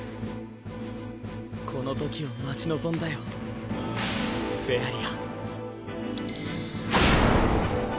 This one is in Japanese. このときを待ち望んだよフェアリア。